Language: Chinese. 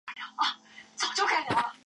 本条目专为云南定远而作。